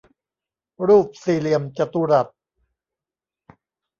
รูปสี่เหลี่ยมจัตุรัส